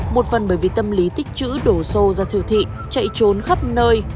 một phần bởi vì tâm lý tích chữ đổ xô ra siêu thị chạy trốn khắp nơi